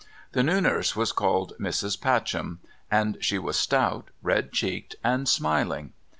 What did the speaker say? The new nurse was called Mrs. Pateham, and she was stout, red cheeked, and smiling.